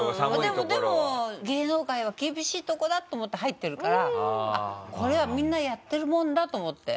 でも芸能界は厳しいとこだって思って入ってるからこれはみんなやってるもんだと思って。